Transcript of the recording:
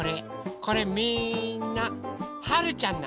これみんなはるちゃんなの。